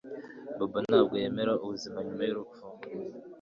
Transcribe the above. Bobo ntabwo yemera ubuzima nyuma yurupfu